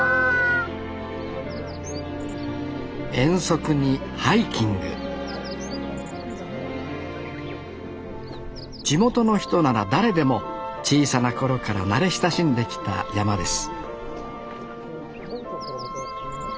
遠足にハイキング地元の人なら誰でも小さな頃から慣れ親しんできた山です